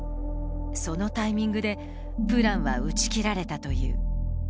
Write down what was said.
そのタイミングでプランは打ち切られたという。